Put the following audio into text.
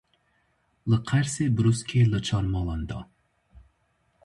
Li Qersê brûskê li çar malan da.